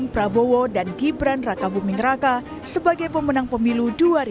prabowo dan gibran raka buming raka sebagai pemenang pemilu dua ribu dua puluh